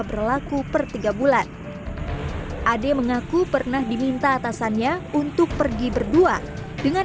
berlaku per tiga bulan ade mengaku pernah diminta atasannya untuk pergi berdua dengan